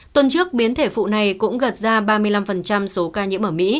tuần trước biến thể phụ này cũng gạt ra ba mươi năm số ca nhiễm ở mỹ